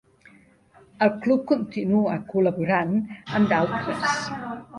El club continua col·laborant amb d'altres.